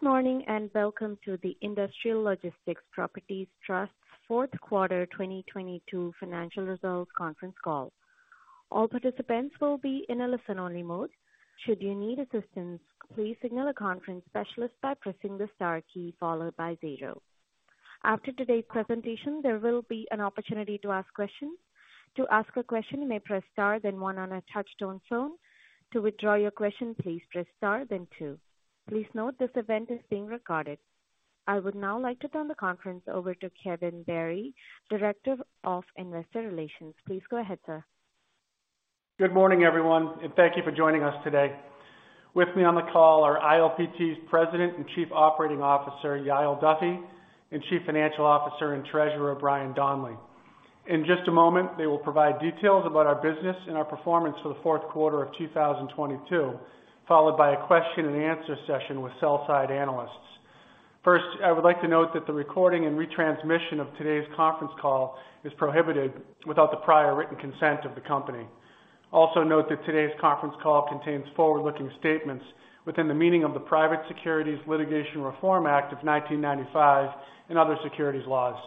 Good morning, and welcome to the Industrial Logistics Properties Trust fourth quarter 2022 financial results conference call. All participants will be in a listen-only mode. Should you need assistance, please signal a conference specialist by pressing the star key followed by zero. After today's presentation, there will be an opportunity to ask questions. To ask a question, you may press star then one on a touchtone phone. To withdraw your question, please press star then two. Please note this event is being recorded. I would now like to turn the conference over to Kevin Barry, Director of Investor Relations. Please go ahead, sir. Good morning, everyone, and thank you for joining us today. With me on the call are ILPT's President and Chief Operating Officer, Yael Duffy, and Chief Financial Officer and Treasurer, Brian Donley. In just a moment, they will provide details about our business and our performance for the fourth quarter of 2022, followed by a question-and-answer session with sell side analysts. First, I would like to note that the recording and retransmission of today's conference call is prohibited without the prior written consent of the company. Also note that today's conference call contains forward-looking statements within the meaning of the Private Securities Litigation Reform Act of 1995 and other securities laws.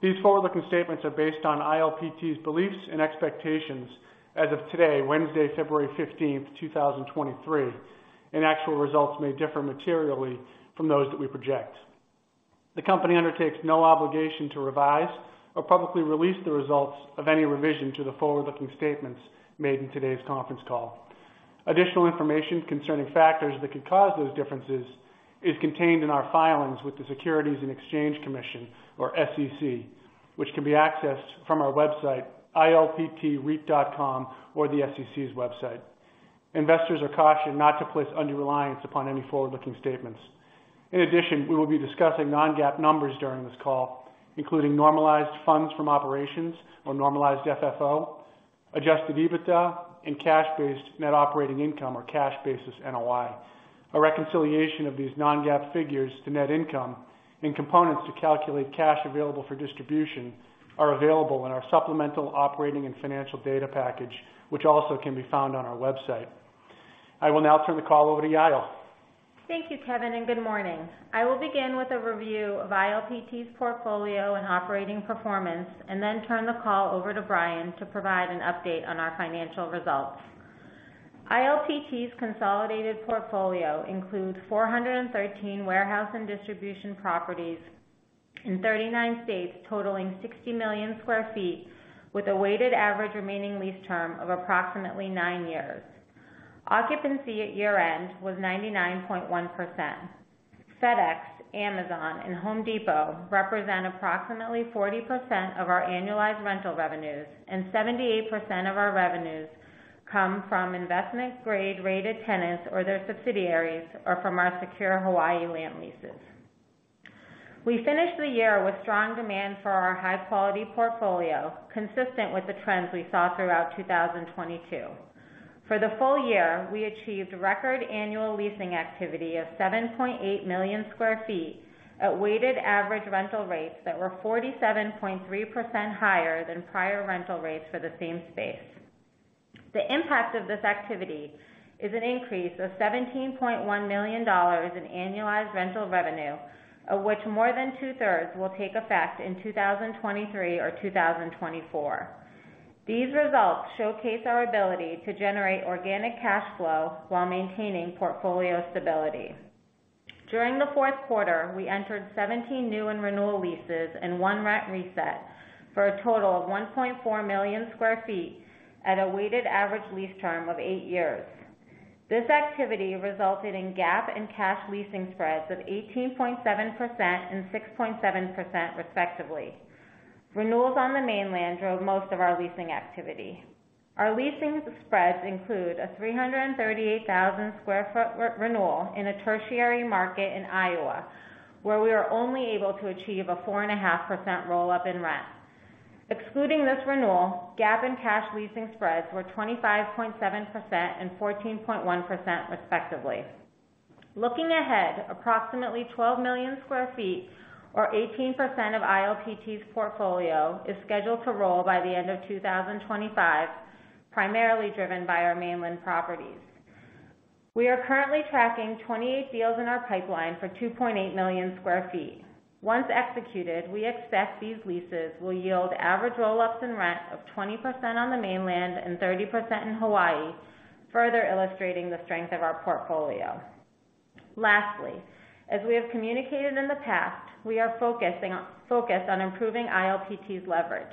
These forward-looking statements are based on ILPT's beliefs and expectations as of today, Wednesday, February 15th, 2023, and actual results may differ materially from those that we project. The company undertakes no obligation to revise or publicly release the results of any revision to the forward-looking statements made in today's conference call. Additional information concerning factors that could cause those differences is contained in our filings with the Securities and Exchange Commission or SEC, which can be accessed from our website, ilptreit.com, or the SEC's website. Investors are cautioned not to place undue reliance upon any forward-looking statements. We will be discussing non-GAAP numbers during this call, including normalized funds from operations or normalized FFO, adjusted EBITDA, and cash-based net operating income or cash basis NOI. A reconciliation of these non-GAAP figures to net income and components to calculate cash available for distribution are available in our supplemental operating and financial data package, which also can be found on our website. I will now turn the call over to Yael. Thank you, Kevin, and good morning. I will begin with a review of ILPT's portfolio and operating performance and then turn the call over to Brian to provide an update on our financial results. ILPT's consolidated portfolio includes 413 warehouse and distribution properties in 39 states, totaling 60 million sq ft with a weighted average remaining lease term of approximately nine years. Occupancy at year-end was 99.1%. FedEx, Amazon, and Home Depot represent approximately 40% of our annualized rental revenues, and 78% of our revenues come from investment grade rated tenants or their subsidiaries, or from our secure Hawaii land leases. We finished the year with strong demand for our high-quality portfolio, consistent with the trends we saw throughout 2022. For the full year, we achieved record annual leasing activity of 7.8 million sq ft at weighted average rental rates that were 47.3% higher than prior rental rates for the same space. The impact of this activity is an increase of $17.1 million in annualized rental revenue, of which more than two-thirds will take effect in 2023 or 2024. These results showcase our ability to generate organic cash flow while maintaining portfolio stability. During the fourth quarter, we entered 17 new and renewal leases and one rent reset for a total of 1.4 million sq ft at a weighted average lease term of 8 years. This activity resulted in GAAP and cash leasing spreads of 18.7% and 6.7%, respectively. Renewals on the mainland drove most of our leasing activity. Our leasing spreads include a 338,000 sq ft re-renewal in a tertiary market in Iowa, where we were only able to achieve a 4.5% roll up in rent. Excluding this renewal, GAAP and cash leasing spreads were 25.7% and 14.1%, respectively. Looking ahead, approximately 12 million sq ft or 18% of ILPT's portfolio is scheduled to roll by the end of 2025, primarily driven by our mainland properties. We are currently tracking 28 deals in our pipeline for 2.8 million sq ft. Once executed, we expect these leases will yield average roll-ups in rent of 20% on the mainland and 30% in Hawaii, further illustrating the strength of our portfolio. Lastly, as we have communicated in the past, we are focused on improving ILPT's leverage.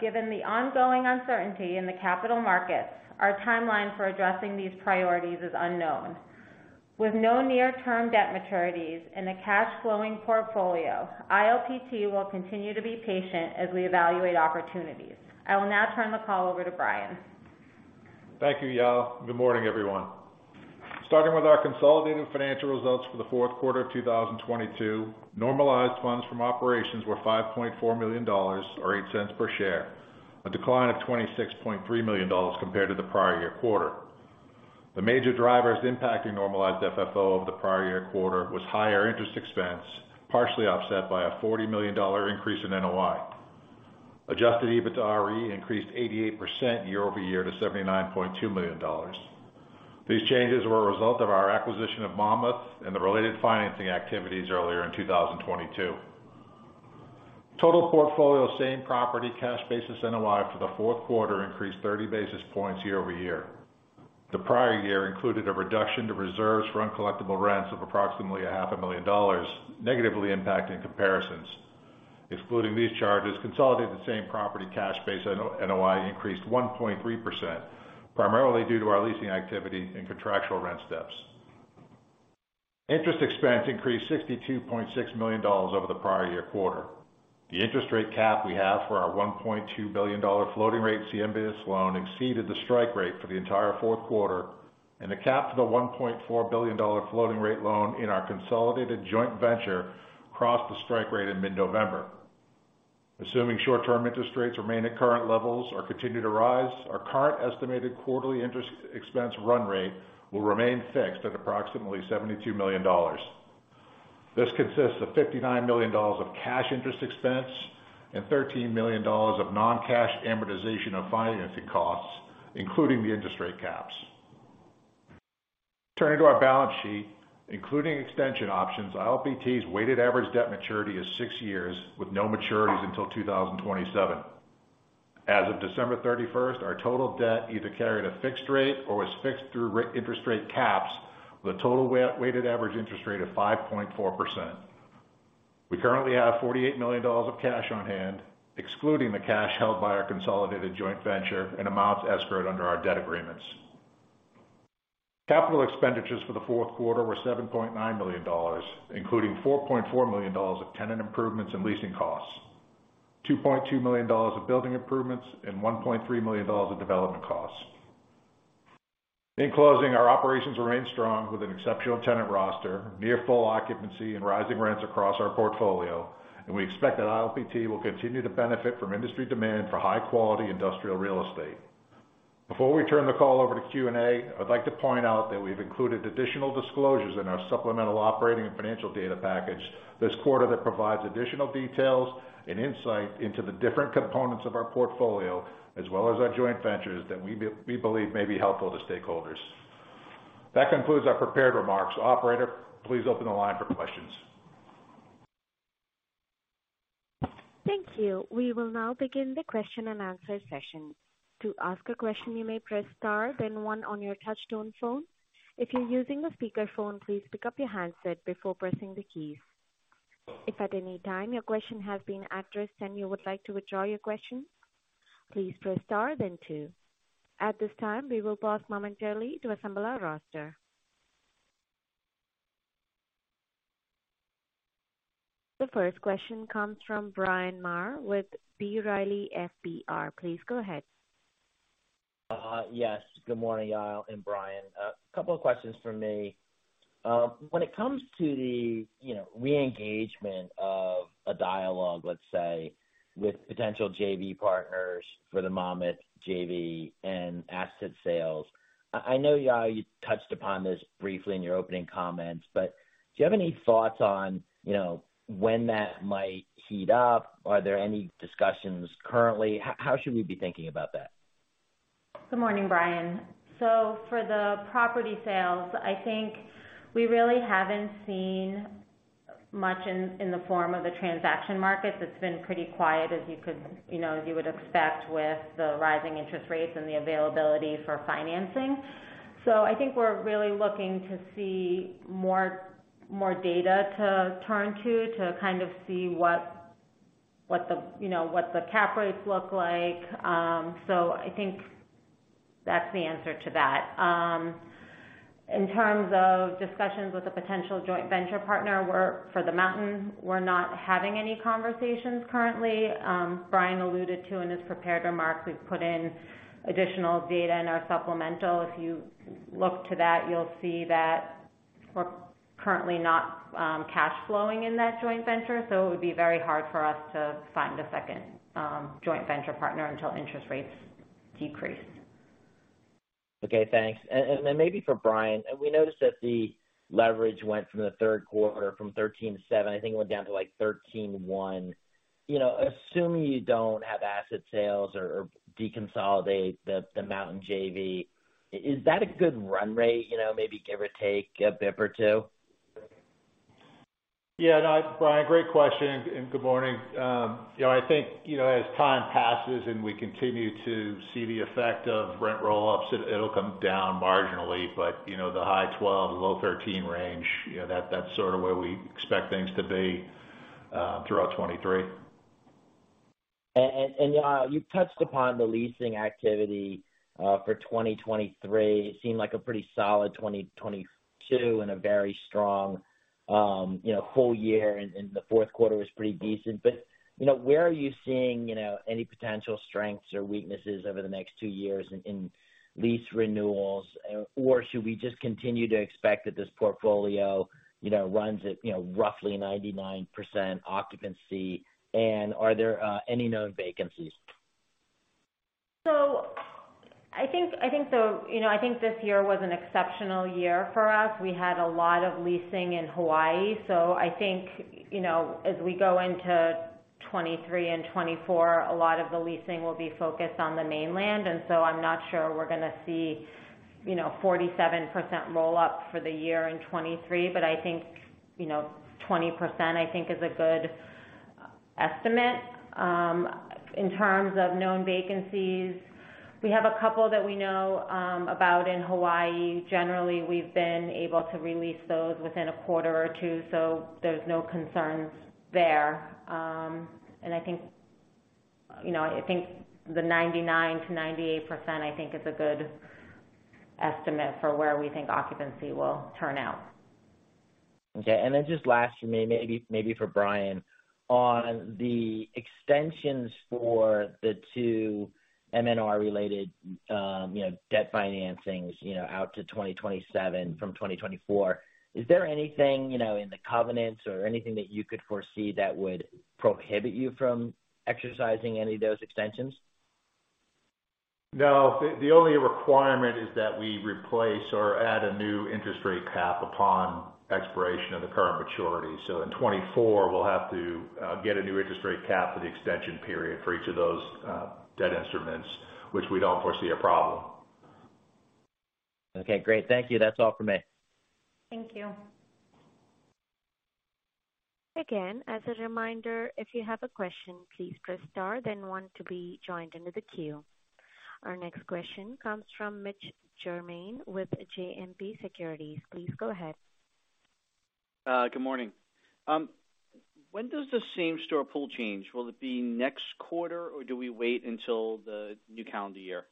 Given the ongoing uncertainty in the capital markets, our timeline for addressing these priorities is unknown. With no near-term debt maturities and a cash flowing portfolio, ILPT will continue to be patient as we evaluate opportunities. I will now turn the call over to Brian. Thank you, Yael, and good morning, everyone. Starting with our consolidated financial results for the fourth quarter of 2022, Normalized Funds from Operations were $5.4 million or $0.08 per share, a decline of $26.3 million compared to the prior-year quarter. The major drivers impacting normalized FFO over the prior-year quarter was higher interest expense, partially offset by a $40 million increase in NOI. Adjusted EBITDAre increased 88% year-over-year to $79.2 million. These changes were a result of our acquisition of Monmouth and the related financing activities earlier in 2022. Total portfolio same property cash basis NOI for the fourth quarter increased 30 basis points year-over-year. The prior year included a reduction to reserves for uncollectible rents of approximately a half a million dollars, negatively impacting comparisons. Excluding these charges, consolidated same property cash basis NOI increased 1.3%, primarily due to our leasing activity and contractual rent steps. Interest expense increased $62.6 million over the prior year quarter. The interest rate cap we have for our $1.2 billion floating rate CMBS loan exceeded the strike rate for the entire fourth quarter. The cap to the $1.4 billion floating rate loan in our consolidated joint venture crossed the strike rate in mid-November. Assuming short-term interest rates remain at current levels or continue to rise, our current estimated quarterly interest expense run rate will remain fixed at approximately $72 million. This consists of $59 million of cash interest expense and $13 million of non-cash amortization of financing costs, including the interest rate caps. Turning to our balance sheet, including extension options, ILPT's weighted average debt maturity is six years with no maturities until 2027. As of December 31st, our total debt either carried a fixed rate or was fixed through interest rate caps with a total weighted average interest rate of 5.4%. We currently have $48 million of cash on hand, excluding the cash held by our consolidated joint venture and amounts escrowed under our debt agreements. Capital expenditures for the fourth quarter were $7.9 million, including $4.4 million of tenant improvements and leasing costs, $2.2 million of building improvements, and $1.3 million of development costs. In closing, our operations remain strong with an exceptional tenant roster, near full occupancy and rising rents across our portfolio. We expect that ILPT will continue to benefit from industry demand for high quality industrial real estate. Before we turn the call over to Q&A, I'd like to point out that we've included additional disclosures in our supplemental operating and financial data package this quarter that provides additional details and insight into the different components of our portfolio, as well as our joint ventures that we believe may be helpful to stakeholders. That concludes our prepared remarks. Operator, please open the line for questions. Thank you. We will now begin the question-and-answer session. To ask a question, you may press star then one on your touchtone phone. If you're using a speaker phone, please pick up your handset before pressing the keys. If at any time your question has been addressed and you would like to withdraw your question, please press star then two. At this time, we will pause momentarily to assemble our roster. The first question comes from Bryan Maher with B. Riley Securities. Please go ahead. Yes. Good morning, Yael and Brian Donley. A couple of questions from me. When it comes to the, you know, re-engagement of a dialogue, let's say, with potential JV partners for the Monmouth JV and asset sales, I know, Yael, you touched upon this briefly in your opening comments, but do you have any thoughts on, you know, when that might heat up? Are there any discussions currently? How should we be thinking about that? Good morning, Brian. For the property sales, I think we really haven't seen much in the form of a transaction market. It's been pretty quiet, you know, as you would expect with the rising interest rates and the availability for financing. I think we're really looking to see more data to turn to kind of see what the, you know, what the cap rates look like. I think that's the answer to that. In terms of discussions with a potential joint venture partner, for Monmouth, we're not having any conversations currently. Brian alluded to in his prepared remarks, we've put in additional data in our supplemental. If you look to that, you'll see that we're currently not cash flowing in that joint venture, so it would be very hard for us to find a second joint venture partner until interest rates decrease. Okay, thanks. Then maybe for Brian, we noticed that the leverage went from the third quarter from 13.7, I think it went down to like 13.1. You know, assuming you don't have asset sales or deconsolidate the Monmouth JV, is that a good run rate, you know, maybe give or take a basis point or two? Yeah. No, Brian, great question and good morning. You know, I think, you know, as time passes and we continue to see the effect of rent roll-ups, it'll come down marginally. You know, the high 12 and low 13 range, you know, that's sort of where we expect things to be throughout 2023. Yael, you've touched upon the leasing activity, for 2023. It seemed like a pretty solid 2022 and a very strong, you know, whole year and the fourth quarter was pretty decent. You know, where are you seeing, you know, any potential strengths or weaknesses over the next two years in lease renewals? Or should we just continue to expect that this portfolio, you know, runs at, you know, roughly 99% occupancy? Are there any known vacancies? I think, you know, I think this year was an exceptional year for us. We had a lot of leasing in Hawaii. I think, you know, as we go into 2023 and 2024, a lot of the leasing will be focused on the mainland. I'm not sure we're gonna see, you know, 47% roll up for the year in 2023, but I think, you know, 20%, I think, is a good estimate. In terms of known vacancies, we have a couple that we know about in Hawaii. Generally, we've been able to re-lease those within a quarter or two, so there's no concerns there. I think, you know, I think the 99%-98%, I think is a good estimate for where we think occupancy will turn out. Okay. Just last for me, maybe for Brian. On the extensions for the two MNR-related, you know, debt financings, you know, out to 2027 from 2024, is there anything, you know, in the covenants or anything that you could foresee that would prohibit you from exercising any of those extensions? No. The only requirement is that we replace or add a new interest rate cap upon expiration of the current maturity. In 2024, we'll have to get a new interest rate cap for the extension period for each of those debt instruments, which we don't foresee a problem. Okay, great. Thank you. That's all for me. Thank you. As a reminder, if you have a question, please press star then one to be joined into the queue. Our next question comes from Mitch Germain with JMP Securities. Please go ahead. Good morning. When does the same-store pool change? Will it be next quarter, or do we wait until the new calendar year?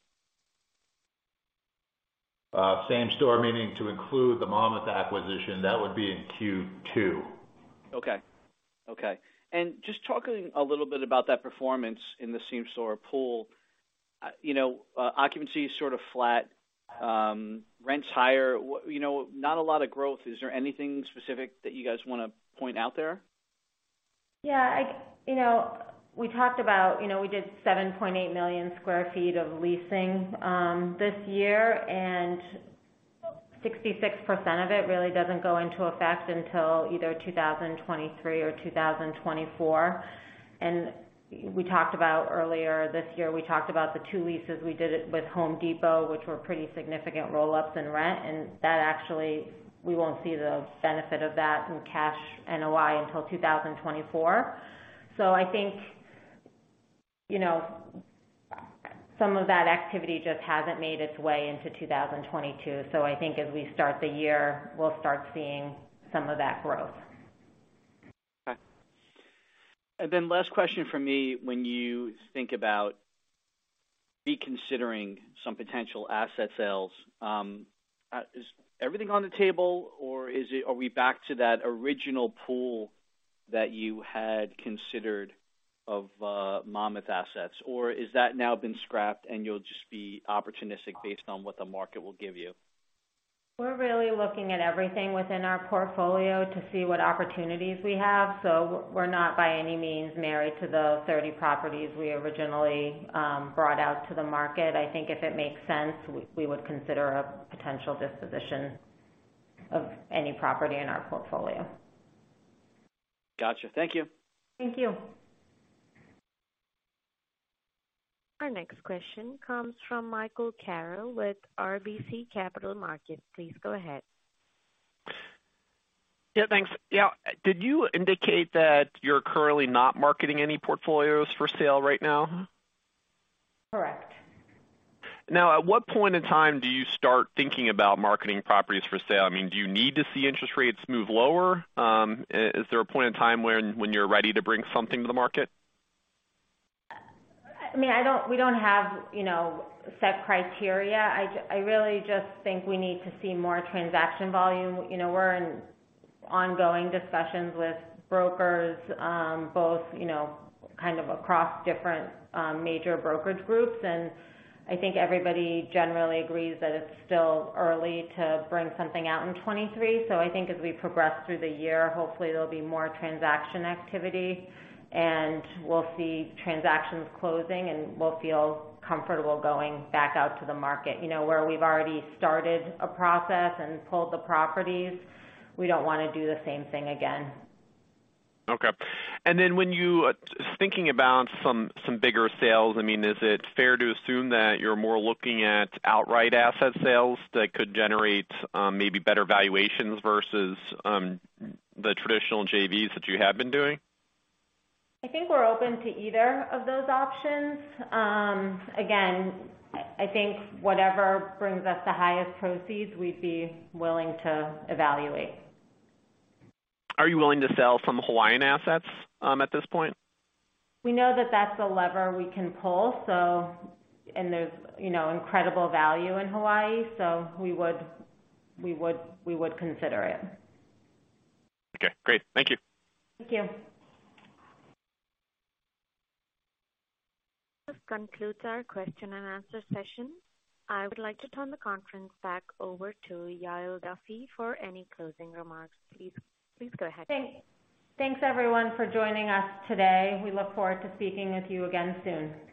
Same store, meaning to include the Monmouth acquisition, that would be in Q2. Okay. Okay. Just talking a little bit about that performance in the same-store pool. You know, occupancy is sort of flat, rents higher. You know, not a lot of growth. Is there anything specific that you guys wanna point out there? Yeah. You know, we talked about, you know, we did 7.8 million sq ft of leasing this year, 66% of it really doesn't go into effect until either 2023 or 2024. We talked about earlier this year, we talked about the two leases. We did it with Home Depot, which were pretty significant roll-ups in rent, and that actually we won't see the benefit of that in cash NOI until 2024. I think, you know, some of that activity just hasn't made its way into 2022. I think as we start the year, we'll start seeing some of that growth. Okay. Last question from me. When you think about reconsidering some potential asset sales, is everything on the table or are we back to that original pool that you had considered of, Monmouth assets? Is that now been scrapped and you'll just be opportunistic based on what the market will give you? We're really looking at everything within our portfolio to see what opportunities we have. We're not by any means married to the 30 properties we originally brought out to the market. I think if it makes sense, we would consider a potential disposition of any property in our portfolio. Gotcha. Thank you. Thank you. Our next question comes from Michael Carroll with RBC Capital Markets. Please go ahead. Yeah, thanks. Yeah. Did you indicate that you're currently not marketing any portfolios for sale right now? Correct. At what point in time do you start thinking about marketing properties for sale? I mean, do you need to see interest rates move lower? Is there a point in time when you're ready to bring something to the market? I mean, we don't have, you know, set criteria. I really just think we need to see more transaction volume. You know, we're in ongoing discussions with brokers, both, you know, kind of across different, major brokerage groups. I think everybody generally agrees that it's still early to bring something out in 23. I think as we progress through the year, hopefully there'll be more transaction activity, and we'll see transactions closing, and we'll feel comfortable going back out to the market. You know, where we've already started a process and pulled the properties, we don't wanna do the same thing again. Okay. When you-- just thinking about some bigger sales, I mean, is it fair to assume that you're more looking at outright asset sales that could generate, maybe better valuations versus the traditional JVs that you have been doing? I think we're open to either of those options. Again, I think whatever brings us the highest proceeds, we'd be willing to evaluate. Are you willing to sell some Hawaiian assets, at this point? We know that that's a lever we can pull, so... There's, you know, incredible value in Hawaii, so we would consider it. Okay, great. Thank you. Thank you. This concludes our question-and-answer session. I would like to turn the conference back over to Yael Duffy for any closing remarks. Please, please go ahead. Thanks. Thanks everyone for joining us today. We look forward to speaking with you again soon.